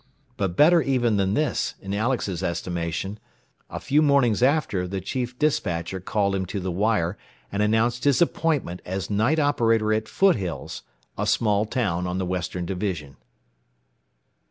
But better even than this, in Alex's estimation, a few mornings after the chief despatcher called him to the wire and announced his appointment as night operator at Foothills, a small town on the western division.